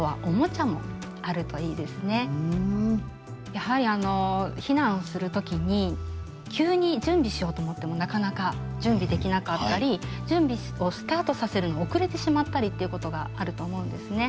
やはり避難をする時に急に準備しようと思ってもなかなか準備できなかったり準備をスタートさせるの遅れてしまったりっていうことがあると思うんですね。